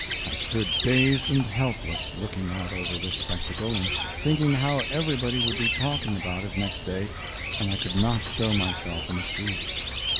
I stood dazed and helpless, looking out over this spectacle, and thinking how everybody would be talking about it next day, and I could not show myself in the streets.